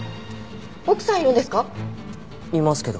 奥さんいるんですか？